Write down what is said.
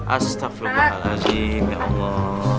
astagfirullahaladzim ya allah